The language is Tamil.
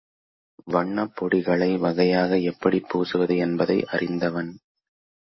வண்ணப்பொடிகளை வகையாக எப்படிப் பூசுவது என்பதை அறிந்தவன்.